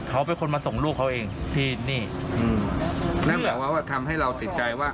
เขาเป็นคนมาส่งลูกเขาเองที่นี่อืมนั่นแบบว่าทำให้เราติดใจว่า